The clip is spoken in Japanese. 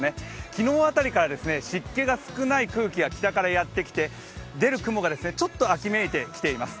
昨日辺りから湿気が少ない空気が北からやって来て出る雲がちょっと秋めいてきています。